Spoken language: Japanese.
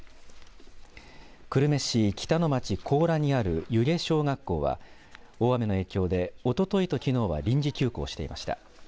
久留米市北野町高良にある弓削小学校は大雨の影響でおとといときのうは臨時休校していました。